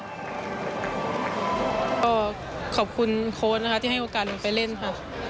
ก็ขอบคุณโค้ดนะคะที่ให้โอกาสหนูไปเล่นค่ะ